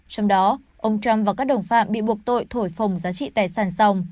trong đó ông trump và các đồng phạm bị buộc tội thổi phồng giá trị tài sản dòng